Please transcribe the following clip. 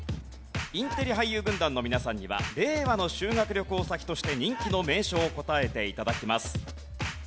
インテリ俳優軍団の皆さんには令和の修学旅行先として人気の名所を答えて頂きます。